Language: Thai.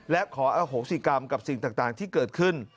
และขออโหสิกรรมกับสิ่งต่างที่เกิดขึ้น